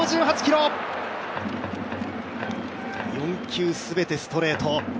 ４球すべてストレート。